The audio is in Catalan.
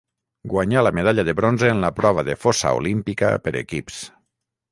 Guanyà la medalla de bronze en la prova de fossa olímpica per equips.